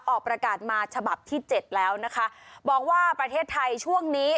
ออกประกาศมาฉบับที่เจ็ดแล้วนะคะบอกว่าประเทศไทยช่วงนี้